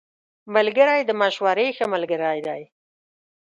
ملګری د مشورې ښه ملګری دی